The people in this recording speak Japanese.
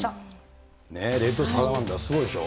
レッドサラマンダー、すごいでしょ？